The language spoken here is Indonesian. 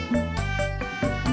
gak ada de